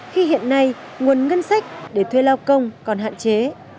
khi hiện nay nguồn ngân sách để thuê lao công còn hạn chế